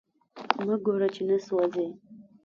مه ګوره چی نه سوازی